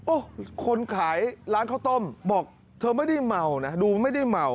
โอ้โหคนขายร้านข้าวต้มบอกเธอไม่ได้เมานะดูไม่ได้เมา